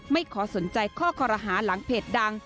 ไม่ขอสนใจข้อคอรหาหลังเพจดัง